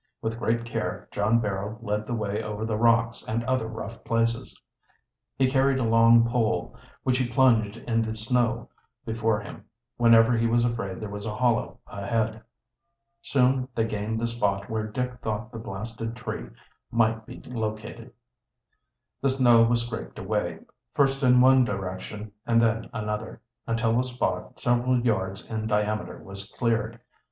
With great care John Barrow led the way over the rocks and other rough places. He carried a long pole, which he plunged in the snow before him whenever he was afraid there was a hollow ahead. Soon they gained the spot where Dick thought the blasted tree might be located. The snow was scraped away, first in one direction and then another, until a spot several yards in diameter was cleared.